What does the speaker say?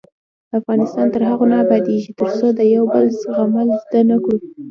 افغانستان تر هغو نه ابادیږي، ترڅو د یو بل زغمل زده نکړو.